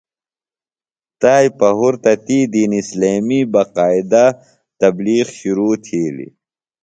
تائی پہُرتہ تی دینی اِسلامی باقائدہ تبلیغ شِرو تِھلیۡ.